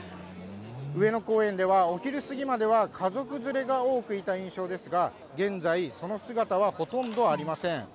上野公園ではお昼過ぎまでは、家族連れが多くいた印象ですが、現在、その姿はほとんどありません。